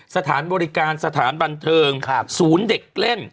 สถานบริการสถานบันเทิงศูนย์เด็กเล่น